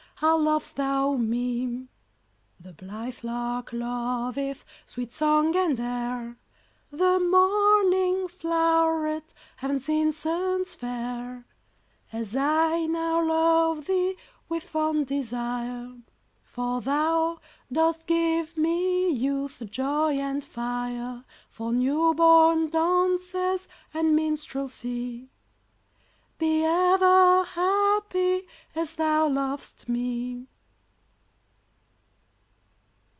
How lov'st thou me! The blithe lark loveth Sweet song and air, The morning flow'ret Heav'n's incense fair, As I now love thee With fond desire, For thou dost give me Youth, joy, and fire, For new born dances And minstrelsy. Be ever happy, As thou lov'st me!